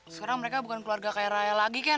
sekarang mereka bukan keluarga kaya raya lagi kan